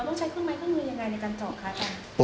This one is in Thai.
เราต้องใช้เครื่องไม้เครื่องมืออย่างไรในการเจาะครับ